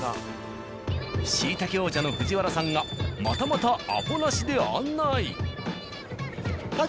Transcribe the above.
シイタケ王者の藤原さんがまたまたアポなしで案内。